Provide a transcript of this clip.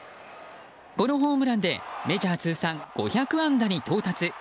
このホームランでメジャー通算５００安打に到達。